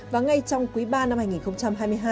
và ngay trong quý ba năm hai nghìn hai mươi hai